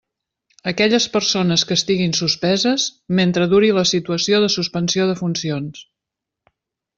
Aquelles persones que estiguin suspeses, mentre duri la situació de suspensió de funcions.